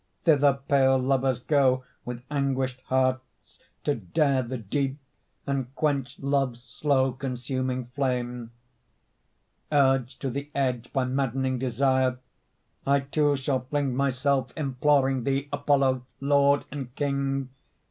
Thither pale lovers go With anguished hearts To dare the deep and quench Love's slow consuming flame. Urged to the edge By maddening desire, I, too, shall fling myself Imploring thee, Apollo, lord and king!